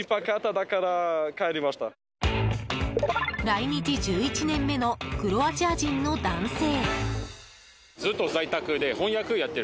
来日１１年目のクロアチア人の男性。